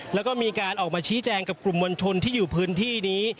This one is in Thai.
แล้วก็มีการออกมาชี้แจงกับกลุ่มมวลชนที่อยู่พื้นที่นี้